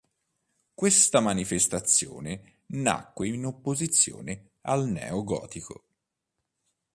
Questa manifestazione nacque in opposizione al neogotico.